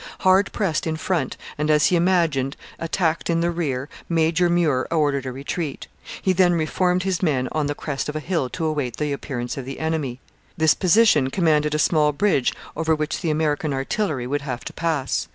Hard pressed in front and, as he imagined, attacked in the rear, Major Muir ordered a retreat; he then reformed his men on the crest of a hill to await the appearance of the enemy. This position commanded a small bridge over which the American artillery would have to pass.